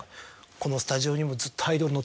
このスタジオにもずっと。